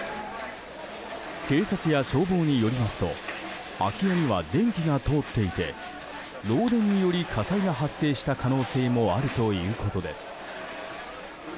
警察や消防によりますと空き家には電気が通っていて漏電により火災が発生した可能性もあるということです。